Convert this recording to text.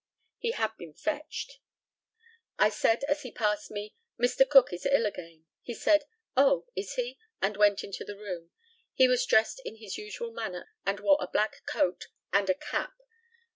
He had been fetched. I said as he passed me: "Mr. Cook is ill again." He said, "Oh, is he?" and went into the room. He was dressed in his usual manner, and wore a black coat and a cap.